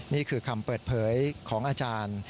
นี่คือคำเปิดเผยของอาจารย์